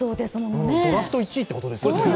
ドラフト１位ってことですもんね